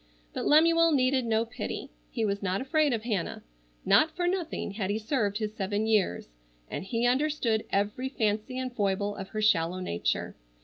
But Lemuel needed no pity. He was not afraid of Hannah. Not for nothing had he served his seven years, and he understood every fancy and foible of her shallow nature.